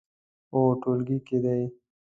هو، ټولګي کې دی